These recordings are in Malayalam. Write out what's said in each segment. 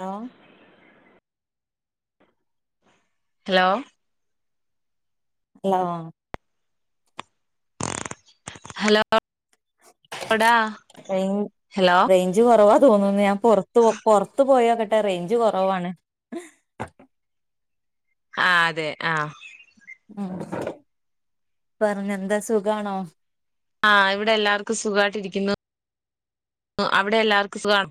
ലോ ഹെലോ ലോ ഹലോ റെയ്ൻ ഹലോ റെയ്ഞ്ച് കൊറവാ തോന്ന്ന്ന് ഞാം പൊറത്ത് പൊറത്ത് പോയോക്കെട്ടെ റെയ്ഞ്ച് കാെറവാണ് ആഹ് അതെ ആഹ് ഉം പർഞ്ഞാെ എന്താ സുഖാണോ? ആഹ് ഇവിടെ എല്ലാർക്കും സുഖവായ്ട്ട്‌രിയ്ക്കുന്നു അവിടെ എല്ലാർക്കും സുഖാണോ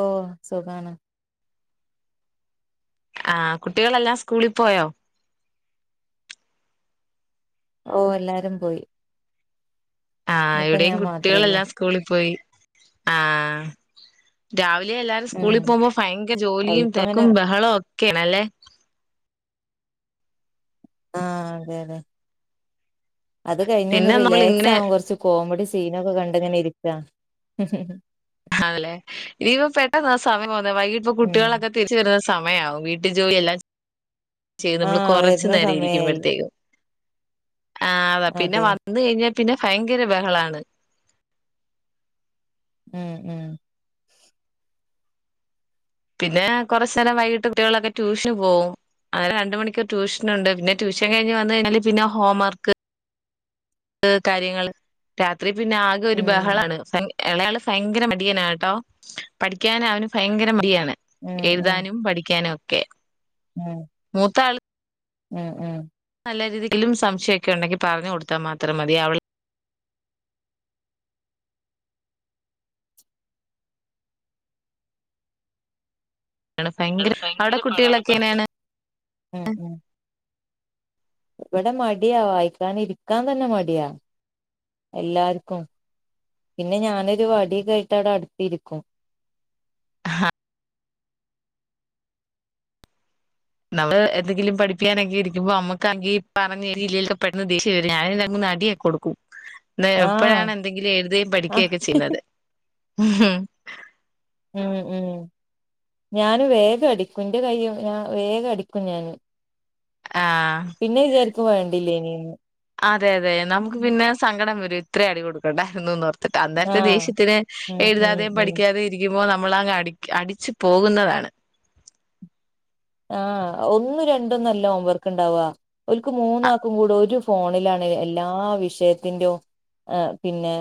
ഓഹ് സുഖാണ് ആഹ് കുട്ടികളെല്ലാം സ്കൂളിപ്പോയോ? ഓഹ് എല്ലാരും പോയി ആഹ് ഇനിയിപ്പ ഇവിടെയും ഞാൻ മാത്രേ ഉള്ളൂ കുട്ടികളെല്ലാം സ്കൂളി പോയി ആഹ് രാവിലെ എല്ലാരും ഉം സ്കൂളി പോവുമ്പം ഭയങ്കര ജോലിയും അതിപ്പോ അങ്ങനെ തെരെക്കും ബെഹെളവും ഒക്കെയാണ് അല്ലേ ആഹ് അതെ അതെ അത് കഴിഞ്ഞാെന്ന് പിന്നെ നമ്മൾ ഇങ്ങനെ റിലാക്സാകും കൊർച്ച് കോമെഡി സീനൊക്കെ കണ്ട്ങ്ങെനെ ഇരിക്കാ ആണ്ലേ ഇനിയിപ്പോ പെട്ടെന്നാ സമയം പോവ്ന്നെ വൈകിട്ട് ഇപ്പൊ ഉം കുട്ടികളൊക്കെ തിരിച്ച് വെര്ന്ന സമയാവും വീട്ടി ജോലി എല്ലാം ചെയ്ത് ആ നമ്മള് കൊറെച്ച് വരുന്ന നേരം സമയായി ഇരിക്കുമ്പഴ്ത്തേക്ക് ആഹ് അതാ പിന്നെ അതെ വന്ന് കെയ്ഞ്ഞാ പിന്നെ ഭയെങ്കെരെ ബെഹളാണ് ഉം ഉം പിന്നെ കാെറച്ച് നേരം വൈകിട്ട് കുട്ടികളൊക്കെ ട്യൂഷന് പോവും അങ്ങനെ രണ്ട് മണിക്കൂർ ട്യൂഷ്നുണ്ട് പിന്നെ ട്യൂഷൻ കഴിഞ്ഞ് വന്ന് കയ്ഞ്ഞാല് പിന്നെ ഹോം വർക്ക് ക്ക് കാര്യങ്ങൾ രാത്രി പിന്നെ ആകാെര് ഉം ബഹളാണ് [unintelligible] എളെയാള് ഫയെങ്കര മടിയനാണ്‌ട്ടോ പഠിക്കാൻ അവന് ഫയങ്കര മടിയാണ് ഉം ഉം എഴ്താനും പഠിക്കാനും ഒക്കെ ഉം മൂത്താൾ ഉം ഉം നല്ല രീതിയിലും സംശയാെക്കെ ഉണ്ടെങ്കി പറഞ്ഞ് കൊട്ത്താ മാത്രം മതിയേ അവള് ള് ഭയങ്കര അവിടെ ഭയെങ്കെര പാടാണ് കുട്ടികളൊക്കെ പഠിക്കാ എങ്ങനെയാണ് ഉം ഉം ഇവെടെ മടിയാ വായിക്കാൻ ഇരിക്കാൻ തന്നെ മടിയാ എല്ലാര്ക്കും പിന്നെ ഞാനൊരു വട്യൊക്കായിട്ടവ്ടെ അട്ത്ത്ര്ക്കും നമ്മള് എന്തെങ്കിലും പഠപ്പിക്കാനൊക്കെ ഇരിയ്ക്കുമ്പോ അമ്മക്കാണെങ്കി പറഞ്ഞ് [unintelligible] പെട്ടെന്ന് ദേശ്യം ശ്യം വെരും ഞാന് രണ്ട് മൂന്ന് അടിയാെക്കെ കൊട്ക്കും ന്ന് ആഹ് എപ്പഴാണ് എന്തെങ്കിലും എഴ്ത്കേയും ആഹ് പഠിക്ക്യെക്കെ ചെയ്ന്നെത് ഉം ഹും ഉം ഉം ഞാന് വേഗം അടിക്കും എന്റെ കൈയ്യും ഞൻ വേഗം അടിക്കും ഞാന് ആഹ് പിന്നെ വിചാരിക്കും വേണ്ടല്ലേ ഇനന്ന് അതെ അതെ നമുക്ക് പിന്നെ സങ്കടം വരും ഇത്ര അടി കൊടുക്കണ്ടായിരുന്നുന്ന് അന്നരത്തെ ആഹ് ദേഷ്യത്തിന് ഉം ഉം എഴുതാതെയും ഉം പഠിക്കാതെ രിക്കുമ്പോൾ നമ്മള അങ്ങ് അടി അടിച്ച് പോകുന്നതാണ് ആഹ് ഒന്നും രണ്ടന്നല്ല ഹോവർക്കുണ്ടാവാ ഒക്ക് മൂന്ന അ- ആക്കും കൂട ഒരു ഫോണിലാണ് എല്ലാ വിഷയത്തിൻ്റൊ പിന്നെ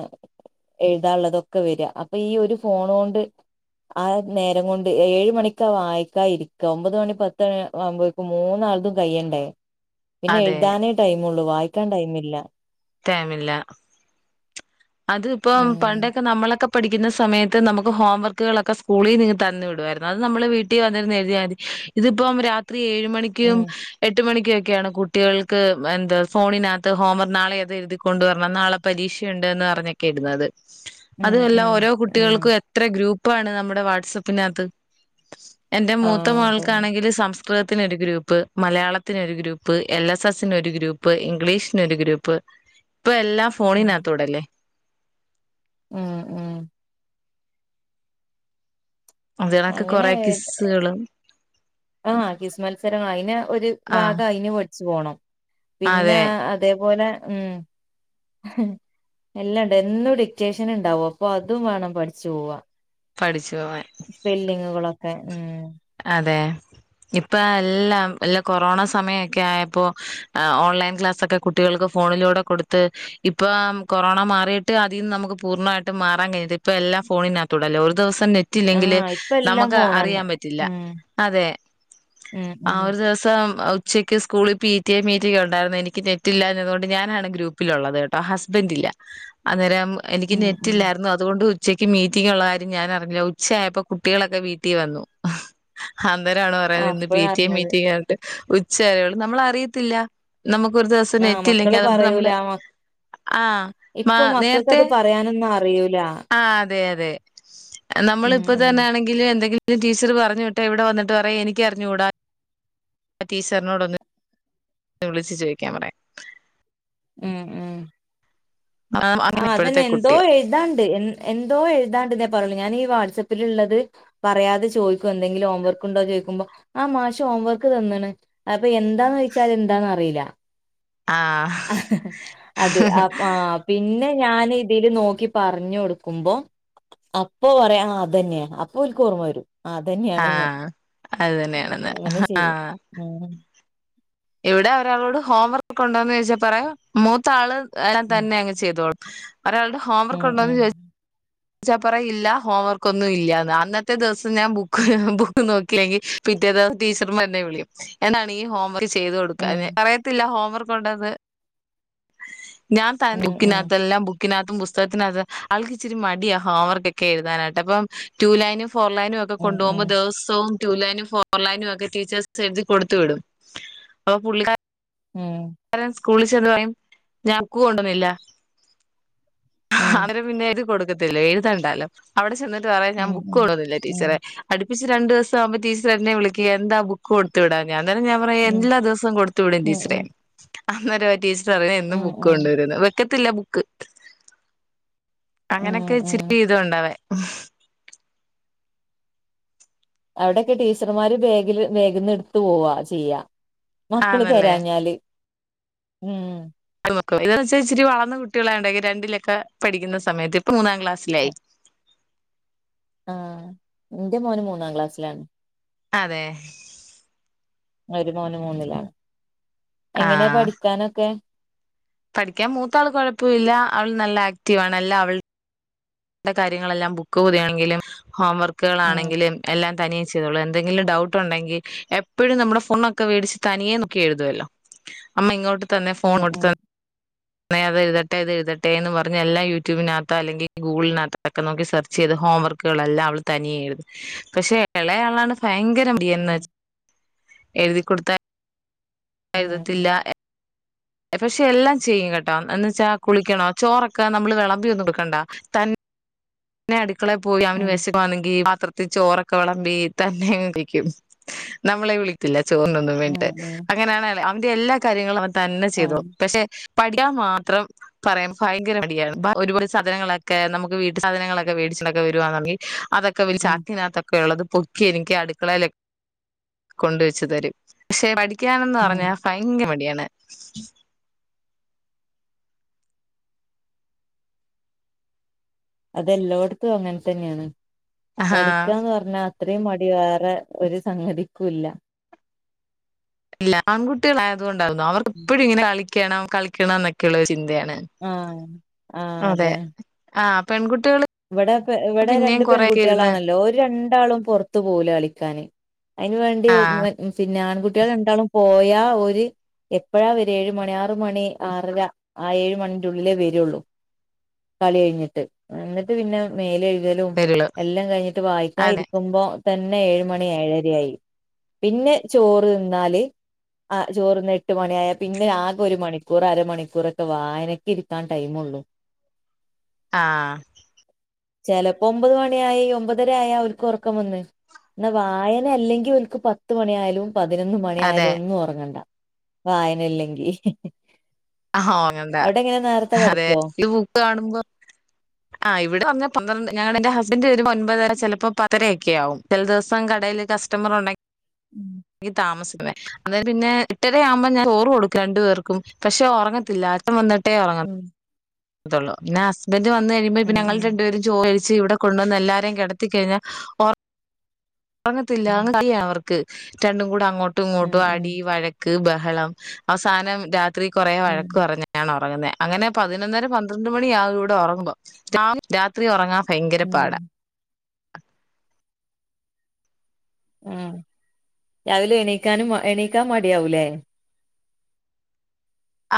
എഴുതാനുള്ളതൊക്കെ വരിക അപ്പൊ ഈ ഒരു ഫോൺ കൊണ്ട് ആഹ് നേരം കൊണ്ട് ഏഴ് മണിക്കാ വായിക്കാ ഇരിക്ക ഒമ്പത് മണി പത്തണ ആവുമ്പോക്കും മൂന്നാത്തും കയ്യണ്ടേ പിന്നെ അതെ എഴുതാന ടൈം ഉള്ളൂ വായിക്കാൻ ടൈമില്ല ടൈമില്ല അത്പ്പം ഉം പണ്ടൊക്കെ നമ്മളൊക്കെ പഠിക്കുന്ന സമയത്ത് നമുക്ക് ഹോം വർക്കുകളൊക്കെ സ്കൂളിൽ നിന്ന് തന്നു വിടുമായിരുന്നു അത് നമ്മൾ വീട്ടിൽ വന്നിരുന്നു എഴുതിയാൽ മതി ഇതിപ്പം രാത്രി ഏഴ് മണിക്കും ഉം എട്ട് മണിക്കൊക്കെയാണ് കുട്ടികൾക്ക് എന്താ ഫോണിനകത്ത് ഹോംവർ നാളെഏതത് എഴുതിക്കൊണ്ടുവരണം നാളെ പരീക്ഷയുണ്ട്ന്ന് അറിഞ്ഞൊക്കെ ഇടുന്നത് ഉം അതല്ലാം ഉം ഓരോ ഉം കുട്ടികൾക്കും ഇത്ര ഗ്രൂപ്പാണ് നമ്മുടെ വാട്സപ്പിനകത്ത് എന്റെ മൂത്ത ആഹ് അതന്നെ മൾക്കാണെങ്കിൽ സംസ് കൃതത്തിനൊരു ഗ്രൂപ്പ് മലയാളത്തിനൊരു ഗ്രൂപ്പ് എൽ എസ് എസ്സിന് ഒരു ഗ്രൂപ്പ് ഇംഗ്ലീഷിനൊരു ഗ്രൂപ്പ് [inaudible] ഇപ്പൊ എല്ലാം ഉം ഫോണിനകത്തോടെല്ലേ ഉം ഉം അതിനക്ക് അങ്ങനെ കൊറെ കിസ്സുകളും ആഹ് കിസ് മത്സരം അതിന് ഒരു ആഹ് ഭാഗം അയി പടിച്ചു പോണം പിന്നെ അതെ അതേപോലെ ഉം എല്ലാണ്ട് എന്നും ഡിക്റ്റേഷൻ ഉണ്ടാവും അപ്പൊ അതും വേണം പഠിച്ചു പോവാ പഠിച്ചു പോവാൻ സ്പെല്ലിങ്ങുകളൊക്കെ ഉം അതെ ഇപ്പൊ എല്ലാം എല്ല കൊറോണ സമയമൊക്കെ ആയപ്പോ ഓൺലൈൻ ക്ലാസ്സൊക്കെ കുട്ടികൾക്ക് ഫോണിലൂടെ കൊടുത്ത് ഇപ്പം കൊറോണ മാറിയിട്ട് അതിൽന്ന് നമുക്ക് പൂർണ്ണമായിട്ട് മാറാൻ കഴഞ്ഞത് ഇപ്പൊ എല്ലാം ഫോണിനകത്തൂടല്ലോ ഒരു ദിവസം നെ പില്ലെങ്കിൽ ആഹ് ഇപ്പ എല്ലാം നമുക്ക് ഫോണന്നെ അറിയാൻ പറ്റില്ല ഉം അതെ ഉം ഉം ദിവസം ഉച്ചക്ക് സ്കൂളി വി ടി ഐ മീറ്റിങ് ഉണ്ടായിരുന്നു എനിക്ക് നെറ്റില്ല എന്നതു കൊണ്ട് ഞാനാണ് ഗ്രൂപ്പ് പ്പിലുള്ളത് കേട്ടോ ഹസ്ബൻഡ് ഇല്ല അന്നേരം എനിക്ക് ഉം ഉം നെറ്റില്ലായിരുന്നു അതുകൊണ്ട് ഉച്ചയ്ക്ക് മീറ്റിംഗ് ഉള്ള കാര്യം ഞാനറിഞില്ല ഉച്ചയായപ്പോൾ കുട്ടികളൊക്കെ വീട്ടിൽ വന്നു അന്നേരണോ ആ പറയാത് ഇന്ന് പി ടി എ അപ്പഴറിഞ്ഞത് മീറ്റിംഗ് ആയിട്ട് ഉച്ചാരള്ള നമ്മള അറിയത്തില്ല നമുക്ക് ഒരു ദിവസം ആ നെറ്റിയില്ലെങ്കി മക്കള് അതുകൊണ്ട് പറയൂല നമ്മള് മ- ആഹ് മ ഇപ്പൊ നേരത്തെ മക്കക്കത് പറയാനൊന്നും അറിയൂല ആഹ് അതെ അതെ ഉം നമ്മളിപ്പൊ ഉം തന്നെ ആണെങ്കിലും എന്തെങ്കിലും ടീച്ചറ് പറഞ്ഞു വിട്ടോ ട്ട ഇവിടെ വന്നിട്ട് പറയും എനിക്കറിഞ്ഞൂടാ ടീച്ചറിനോട് ഒന്ന ന്ന് വിളിച്ച് ചോദിക്കാൻ പറേ ഉം ഉം അങ്ങനെ ആഹ് അതെന്നെ ഇപ്പോഴത്തെ എന്തോ കുട്ടികൾ എഴുതാണ്ട് എ എന്തോ എഴുതാണ്ട് എന്നേ പറഞ്ഞോളൂ ഞാൻ ഈ വാട്സ് ആപ്പിൽ ഉള്ളത് പറയാതെ ചോദിക്കോ എന്തെങ്കിലും ഹോംവർക്ക് ഉണ്ടോ ചോദിക്കുമ്പോ ആഹ് മാഷ് ഹോംവർക്ക് തന്നണ് അപ്പൊ എന്താന്ന് ചോച്ചാൽ എന്താന്ന് അറിയില്ല ആഹ് അതെ ആഹ് പിന്നെ ഞാൻ ഇതിൽ നോക്കി പറഞ്ഞ് കൊടുക്കുമ്പോ അപ്പൊ പറയാ അതെന്നെയാ അപ്പൊ ഒലരിക്ക ഓർമ്മ വരും ആഹ് അതന്നെയാണ്ന്ന് ആഹ് അത് തന്നെയാണെന്ന് അങ്ങനെ ചെയ്യും ആഹ് ഉം ഇവിടെ ഒരാളോട് ഹോം വർക്ക് ക്കെ ഉണ്ടോന്ന് ചോയ്ച്ചാ പറയും മൂത്താള് [unintelligible] ഉം തന്നെ ങ്ങ് ചെയ്തോളും. ഒരാൾടെ ഉം ഹോംവർക്ക്ണ്ടോന്ന് ഉം ചോയി ച്ച ച്ചാപ്പറ ഇല്ല ഹോം വർക്ക് ഒന്നും ഇല്ല്യാന്ന്. അന്നത്തെ ദിവ്സം ഞാൻ ബുക്ക് ബുക്ക് നോക്കില്ലെങ്കി പിറ്റേത് ടീച്ചർമാര്ന്നെ വിളിയും എന്നാണ് ഈ ഹോംവർക്ക് ചെയ്ത് ഉം കൊടുക്കാഞ്ഞെ, പറയത്തില്ല ഹോംവർക്കൊണ്ടെന്ന്. ഞാൻ ത ഉം ഉം ബുക്കിനാത്തെല്ലാം ബു ക്കിനാത്തും പുസ്തകത്തിനാത്തും ആൾക്ക് ഇച്ചിരി മടിയാ ഹോംവർക്കൊക്കെ എഴുതാനായിട്ട് അപ്പം ടു ലൈും ഫോർ ലൈനും ഒ ക്കെ ഉം ഉം കൊണ്ടോവുമ്പോ ദെവസവും ടു ലൈനും ഫോർ ലൈനും ഒക്കെ ടീച്ചേഴ്സെഴുതി കൊട്ത്ത് വിടും. അ പുള്ളിക്കാ ഉം. ക്കാരൻ സ്കൂളി ചെന്ന് പറയും ഞാൻ ക്കു കൊണ്ടന്നില്ല അ [unintelligible] ഉം നെ പിന്നെ എഴ്തി കൊട്ക്കത്തില്ല എഴുതണ്ടാലോ. അവിടെ ചെന്നിട്ട് പറയും ഞാൻ ഉം ഉം ബുക്ക് ഉം കൊണ്ടന്നില്ല ടീച്ചറെ ഉം അടുപ്പിച്ച് രണ്ട് ദിവസാവുമ്പോ ടീച്ചർ എന്നെ വിളിയ്ക്കു എന്താ ബു കൊട്ത്ത് വിടാൻ ഞാൻ തന്നെ ഞാൻ പറയും ഉം എല്ലാ ദിവസം കൊടുത്തു വിടും ഉം ടീച്ചറേ അന്നേരവ ടീച്ചർ അറയ എന്നും ഉം ഉം ബുക്ക് ഉം കൊണ്ടുവരുന്ന്, വെക്കത്തില്ല ബുക്ക്. അങ്ങനൊക്കെ ഇച്ചിരി ഉം ഇീതുണ്ടവന് അവ്ടൊക്കെ ടീച്ചർമാര് ബേഗ് ല് ബേഗ് ന്ന്ട്ത്ത് പോവാ ചെയ്യ. മക്കള് ആന്നല്ലേ തെരാഞ്ഞാല്. ഉം [unintelligible] എന്നു വച്ച് ച്ചിരി വളർന്ന കുട്ട്യളായോണ്ട് രണ്ടിലൊക്കെ പഠിയ്ക്കുന്ന സമയത്ത് ഇപ്പ മൂന്നാം ക്ലാസ്സിലായി. ആഹ് ന്റെ മോനും മൂന്നാം ക്ലാസ്സിലാണ്. അതെ. ഒരു മോന് മൂന്നിലാണ്. എങ്ങനെയ പഠിക്കാനൊക്കെ പഠിയ്ക്കാൻ മൂത്താള് കൊഴപ്പൊവില്ല അവൾ നല്ല ആക്റ്റീവാണ് എല്ലൊഅവൾ ടെ കാര്യങ്ങളെല്ലാം ബുക്ക് പൊതിയാണെങ്കിലും ഹോം ഉം വർക്ക്കളാണെങ്കിലും എല്ലാം തനിയേ ചെയ്തോളു, എന്തെങ്കിലും ഡൗട്ട് ഉണ്ടെങ്കി എപ്പഴും നമ്മുടെ ഫുണൊക്കെ വേടിച്ച് തനിയെ നൊക്കി എഴുതുവല്ലോ അമ്മ ഇങ്ങോട്ട് തന്നെ ഫോൺ ഉം ങ്ങോട്ട് ഉം ത ന്നെ അതെഴുതട്ടെ തെഴുതട്ടെ എന്നും പറഞ്ഞ് എല്ലാ യൂട്യൂബിനാത്തൊ അല്ലെങ്കി ഗൂഗിൾനാത്തൊക്കെ നോക്കി സെർ ചെയ്ത് ഹോം വർക്ക്കളെല്ലാം അവള് തനിയെഴുതും. പഷെ എളയാളാണ് ഫയങ്കരം ഉം [unintelligible] എഴുതിക്കൊട്ത്താ ഉം എഴ്തത്തില്ലാ എ പഷെ എല്ലാം ചെയ്യും കേട്ടോ, എന്ന് വെച്ചാ കുളിക്കണോ ചോറൊക്കെ നമ്മള് വെളമ്പി ഒന്നും ടുക്കണ്ട ത ന്നെ അട്ക്കളെ പോയി അവന് ഉം വെശ വാണെങ്കീ പാത്രത്തിൽ ചോറൊക്കെ വെളമ്പി തന്നെ കിയ്ക്കും. നമ്മളെ വിളിയ്ക്കില്ല ചോർനൊ ഉം [unintelligible] ഉം അങ്ങനെയാണയാള് അവന്റെ എല്ലാ കാര്യങ്ങളും അവൻ തന്നെ ആഹ് ചെയ്തോളും പഷെ പഠിക്കാൻ മാത്രം പറയാം ഫയങ്കര മടിയാണ്. ഒരുപാട് സാധനങ്ങളൊക്കെ നമുക്ക് വീട്ടി സാധങ്ങളൊക്കെ വേടിച്ചിണ്ടൊക്കെ വെരുവാണെങ്കി അതൊക്കെവര് ഉം ചാക്കിലാ ഒക്കെള്ളത് പൊക്കി എനിയ്ക്ക് അട്ക്കളേല് കൊണ്ടുവെച്ച് തരും. ഷെ പഠിയ്ക്കാനെന്ന് ഉം പറഞ്ഞാ ഫയങ്ക മടിയാണ്. അതെല്ലോട്ത്തും അങ്ങെൻ തന്ന്യാണ്. ആഹാ പഠിക്കാന്ന് പർഞ്ഞാ അത്രയും മടി വേറെ ഒരു സംഗതിക്കൂല്ല. ഇല്ല ആൺകുട്ടികളായത് കൊണ്ടാരുന്നു അവർക്കെപ്പഴും ഇങ്ങനെ കളിയ്ക്കണം കളിയ്ക്കണം ന്നൊക്കെയുള്ളൊരു ചിന്തയാണ്. ആഹ്, ആഹ് അതെ. ആഹ്, പെൺകുട്ടികള് ഇവടെ പ്പെ ഇവടെ പിന്നെയും രണ്ട് കൊറെയൊക്കെ ഇരുന്ന് പെൺകുട്ടികളാണല്ലോ ഓര് രണ്ടാളും പൊറത്തു പോവൂല കളിക്കാന്. അയിനുംവേണ്ടി ഒ ആഹ് മ പിന്നെ ആൺകുട്ട്യൾ രണ്ടാളും പോയാ ഓര് എപ്പഴാ വെരെ ഏഴ് മണി ആറ് മണി ആറര ആ ഏഴു മണിൻ്റുള്ളിലേ വെരൊള്ളൂ. കളി കഴിഞ്ഞിട്ട്, എന്നിട്ട് പിന്നെ മേലെഴു കലും വരുള്ളൂ എല്ലാം കഴിഞ്ഞിട്ട് വായിക്കാ അതെ ഇരിക്കുമ്പോ തന്നെ ഏഴ് മണി ഏഴരയായി. പിന്നെ ചോറ് ത് ന്നാല് ആഹ് ചോറ്ന്ന് എട്ട് മണ്യായ പിന്നെ ആകെ ഒര് മണിക്കൂറ് അരമണിക്കൂറൊക്കെ വായനക്കിരിക്കാൻ ടൈമുള്ളൂ ആഹ്. ചെലപ്പോ ഒമ്പത് മണിയായി ഒമ്പതര ആയാ ഓര്ക്ക് ഒറക്കം വന്ന്. എന്ന വായന അല്ലെങ്കിൽ ഒക്ക് പത്ത് മണിയ ആയാലും പതിനൊന്ന് മണിയ അതെ ആയാലും ഒന്നും ഉറങ്ങണ്ട വായനല്ലെങ്കി ആഹോ അങ്ങനന്താ അതെ ഈ ബുക്ക് കാണുമ്പോ ആ് ഇവിടെ വന്ന് പന്ത്രണ്ട് ഞങ്ങള എന്റെ ഹസ്ബൻഡറ് വര ഒൻപതര ചിലപ്പോ പതരയൊക്കെ ആകും ചില ദിവസം കടൽ കസ്റ്റമർ ഉം ഉണ്ടിങ്കി താമസിക്കുന്നേ അന്നേരം പിന്നെ എട്ടര ആവുമ്പോ ാൻ ചോറ് കൊടുക്കും രണ്ടു പേർക്കും പക്ഷെ ഉറങ്ങത്തില്ല അറ്റം വന്നിട്ടേറ ഉം പിന്നെ ഹസ്ബന്റ് വന്ന് കഴുമ്പോ ഇ ഉം ഞങ്ങള് രണ്ടപേര ചോഴച്ച് ഇവിടെ കൊണ്ടുവന്ന് എല്ലാരേും കിടത്തി കഴിഞ്ഞാൽ ഉറങ്ങത്തില്ല ഉം അങ്ങടിയ അവർക്ക് രണ്ടും കൂടെ അങ്ങോട്ടും ഉം ഇങ്ങോട്ടും അടി ഉം വഴ ക്ക് ബഹളം അവസാനം രാത്രി കൊറെ ഉം വഴക്ക് പറഞ്ഞ ഞൻ ഉറങ്ങുന്നേ അങ്ങനെ പതിനൊന്നര പന്ത്രണ്ട് മണിയ ആക ഇവിടെ ഉറങ്ങുമ്പോ രാത്രി ഉറങ്ങാാം ഭയങ്കര ഉം പാട ഉം രാവിലും എണീക്കാനും എണീക്കാൻ മടിയാവൂലേ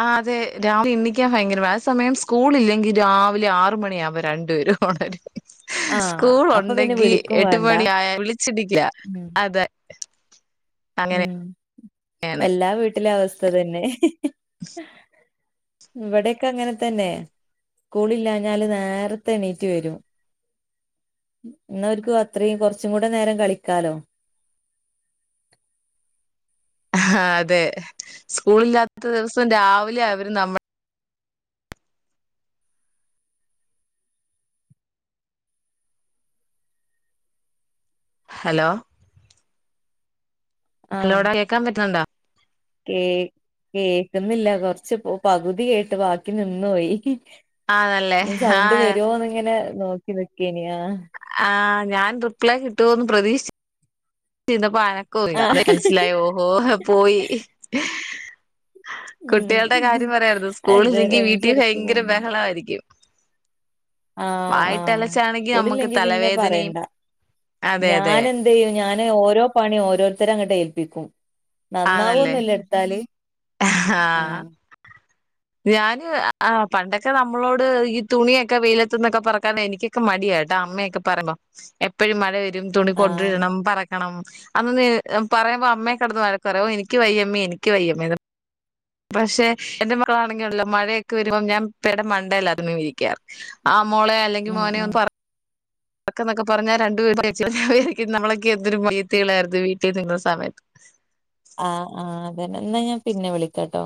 ആ അതെ രാവിലെ എണ്ണിക്കാൻ ഭയങ്കര ആ സമയം സ്കൂള ഇല്ലെങ്കിൽ രാവിലെ ആറ മണിയ ആവുമ്പോ രണ്ട വരും ആഹ് സ്കൂൾ അപ്പൊ പിന്നെ ഉണ്ടെങ്കി വിളിക്കും എട്ട വേണ്ട മണിായ വിളിച്ചിടിക്കില്ല ഉം അതെ ഉം അങ്ങനെയാണ് എല്ലാ വീട്ടിലും അവസ്ഥ തന്നെ ഇവിടെൊക്കെ അങ്ങനെ തന്നെ സ്കൂളില്ലഞ്ഞാല് നേരത്തെ എണീറ്റ് വരും എന്ന അവർരിക്കും അത്രയും കൊറച്ചും കൂടെ നേരം കളിക്കാലോ ആഹ് അതെ സ്കൂള ഇില്ലാത്ത ദിവസം രാവിലെ അവര്ും നമ്മുടെ ഹലോ ആഹ് ഹലോടാ കേൾക്കാൻറ്റണ്ടോ കേ കേൾക്കുന്നില്ല കൊറച്ച് പകുതി കേട്ട് ബാക്കി നിന്ന പോയി ആണല്ലേ ഞാൻ സൗണ്ട് ആഹ് വരുവോന്ന് ഇങ്ങനെ നോക്കി നക്കേനിയാ ആ ഞാൻ റിപ്ലൈ കിട്ടുമോന്ന് പ്രതീക്ഷിച്ച ചെയപ്പോ അന ക്കം ഇല്ല ആ അത മനസ്സിലായി ഓഹോ പോയി ഉം കുട്ടികളുടെ കാര്യം പറയാരുത് അത് സ്കൂളില്ലെങ്കിൽ റേഞ്ച് വീട്ടിൽ എടക്ക് ഭയങ്കര പോവുന്നുണ്ട് ബഹളമായിരിക്കും ആഹ് ആ വായിട്ടലച്ചാണെങ്കി നമുക്ക് കൊളില്ലെങ്കി പിന്നെ തലവേദനയും പറയണ്ട അതെ അതെ ഞാന എ അ ചെയ്യ ഞാന് ഓരോ പണിയും ഓരോരുത്തര അങ്ങോട്ട് ഏല്പ്പിക്കും നന്നാവും ആന്നല്ലേ ഒന്നുംല്ല എടുത്താല് ആഹ് ഉം ഞാാന് ആ പണ്ടൊക്കെ നമ്മളോട് ഈ തുണിയൊക്കെ വെയിലത്തന്നൊക്കെ പറക്കാന എനിക്ക് മടിയായിട്ടാ അമ്മയൊക്കെ പറയുമ്പോ എപ്പോഴും മഴ വരും തുണി ആ കൊണ്ടിടണം പറ ക്കണം അന്ന് പറയുമ്പോ അമ്മ കടന്ന് വഴക്കറോ എനിക്ക് വയ്യമ്മ എനിക്ക് വയ്യമ്മ പക്ഷെ എന്റെ മക്കളാണെങ്കില ഉല്ലോ മഴയൊക്കെ വരുമ്പോം ഞാൻ പേടെ മണ്ടല്ല അത വിരി കാർ മോളെോ അല്ലെങ്കിൽ ഉം മോനെോ ഉം ഒന്ന് പറ പൊക്കൊക്കെ പറഞ്ഞാ രണ്ടുപേർും നമ്മളൊക്കെ എന്തൊരു മയ്യത്തീളായിരുന്നു വീട്ടിൽ നിങ്ങുന്ന സമയത്ത് ആഹ് ആഹ് അതന്നൊ ഞാൻ പിന്നെ വിളിക്കട്ടോ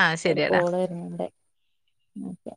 ആ ഒരു ശരിയെടാ കോൾ വരു ഉ അല്ലെ തെ